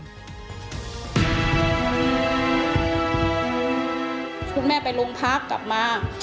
คุณแม่ไปโรงพักกลับมา